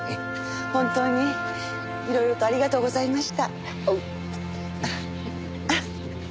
本当にいろいろとありがとうございました。